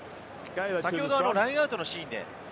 先ほど、ラインアウトのシーンで。